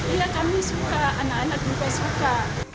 iya kami suka anak anak juga suka